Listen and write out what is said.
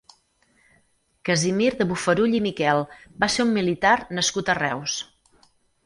Casimir de Bofarull i Miquel va ser un militar nascut a Reus.